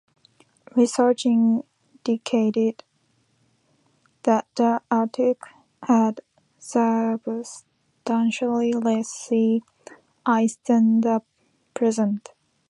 Research indicates that the Arctic had substantially less sea ice than the present.